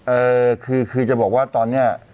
เออคือคือจะบอกว่าตอนนี้